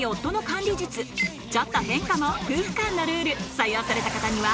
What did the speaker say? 採用された方には